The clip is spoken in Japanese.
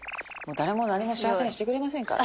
誰も何も幸せにしてくれませんから。